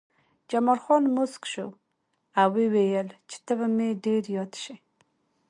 جمال خان موسک شو او وویل چې ته به مې ډېر یاد شې